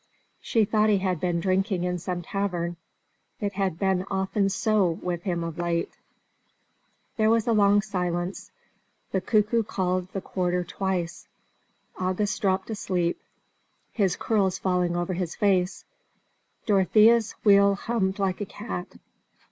She thought he had been drinking in some tavern; it had been often so with him of late. There was a long silence; the cuckoo called the quarter twice; August dropped asleep, his curls falling over his face; Dorothea's wheel hummed like a cat.